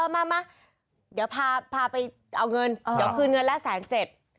มามาเดี๋ยวพาไปเอาเงินเดี๋ยวคืนเงินแล้วแสนเจ็ด